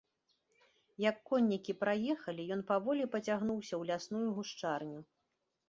Як коннікі праехалі, ён паволі пацягнуўся ў лясную гушчарню.